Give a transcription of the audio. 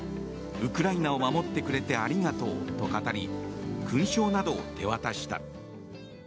ウクライナを守ってくれてありがとうと語り勲章などを手渡した。